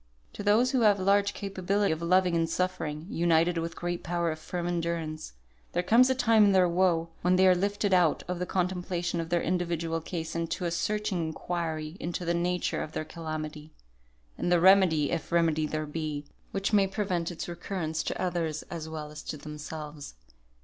To those who have large capability of loving and suffering, united with great power of firm endurance, there comes a time in their woe, when they are lifted out of the contemplation of their individual case into a searching inquiry into the nature of their calamity, and the remedy (if remedy there be) which may prevent its recurrence to others as well as to themselves.